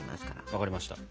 わかりました。